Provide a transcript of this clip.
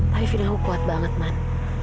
tapi feeling aku kuat banget man